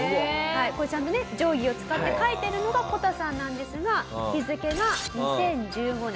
これちゃんとね定規を使って描いているのがこたさんなんですが日付が２０１５年。